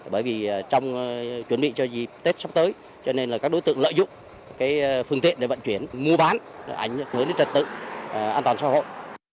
bởi vì trong chuẩn bị cho dịp tết sắp tới cho nên là các đối tượng lợi dụng phương tiện để vận chuyển mua bán ảnh hưởng đến trật tự an toàn xã hội